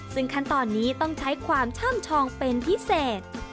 ซึ่งขั้นตอนนี้ต้องใช้ความช่ำชองเป็นพิเศษ